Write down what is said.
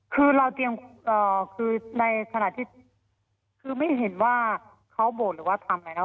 คือเราเตรียมคือในขณะที่คือไม่เห็นว่าเขาโบสถหรือว่าทำอะไรแล้ว